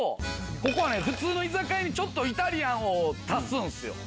ここは普通の居酒屋にちょっとイタリアンを足す。